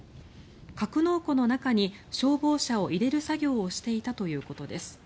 格納庫の中に消防車を入れる作業をしていたということです。